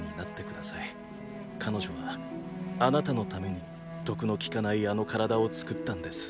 彼女はあなたのために毒の効かないあの体を作ったんです。